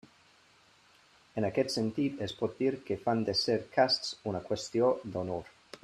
En aquest sentit es pot dir que fan de ser casts una qüestió d'honor.